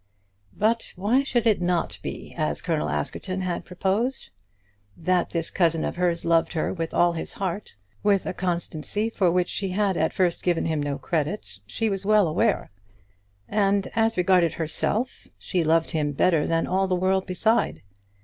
But why should it not be as Colonel Askerton had proposed? That this cousin of hers loved her with all his heart, with a constancy for which she had at first given him no credit, she was well aware. And, as regarded herself, she loved him better than all the world beside.